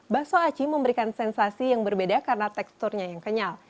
bakso aci memberikan sensasi yang berbeda karena teksturnya yang kenyal